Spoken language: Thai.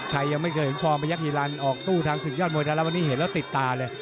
ใครยังไม่เคยเห็นฟอร์มประยักษ์ฮิรันต์ออกตู้ทางสุดยอดมวยทั้งละวันนี้เห็นแล้วติดตาเลย